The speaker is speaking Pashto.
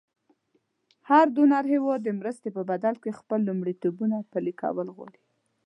هر ډونر هېواد د مرستې په بدل کې خپل لومړیتوبونه پلې کول غواړي.